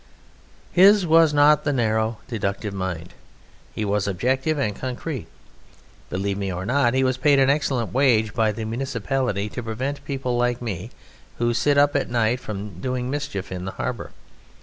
His was not the narrow, deductive mind. He was objective and concrete. Believe me or not, he was paid an excellent wage by the municipality to prevent people like me, who sit up at night, from doing mischief in the harbour.